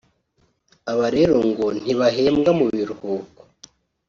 Aba rero bo ngo ntibahembwa mu biruhuko